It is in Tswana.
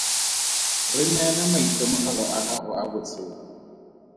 Re neele maitemogelo a gago a botshelo.